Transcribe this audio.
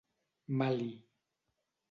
Mali.